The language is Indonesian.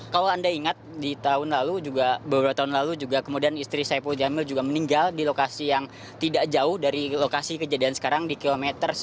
kalau anda ingat di tahun lalu juga beberapa tahun lalu juga kemudian istri saipul jamil juga meninggal di lokasi yang tidak jauh dari lokasi kejadian sekarang di kilometer sepuluh